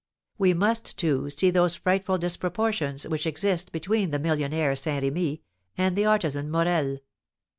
We must, too, see those frightful disproportions which exist between the millionaire Saint Remy, and the artisan Morel.